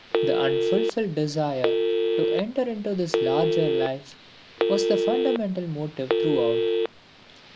The unfulfilled desire to enter into this larger life was the fundamental motive throughout.